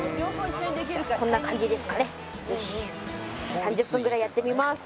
３０分ぐらいやってみます。